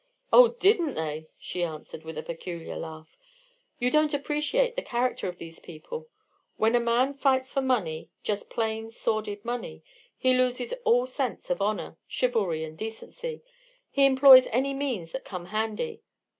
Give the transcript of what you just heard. "Oh, didn't they!" she answered, with a peculiar laugh. "You don't appreciate the character of these people. When a man fights for money, just plain, sordid money, he loses all sense of honor, chivalry, and decency, he employs any means that come handy.